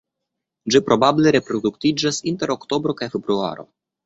Ĝi probable reproduktiĝas inter oktobro kaj februaro.